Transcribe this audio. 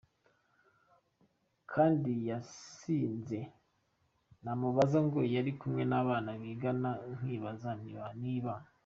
kandi yasinze namubaza ngo yarari kumwe n’abana bigana nkibaza niba.